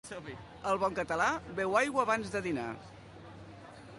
El bon català beu aigua abans de dinar.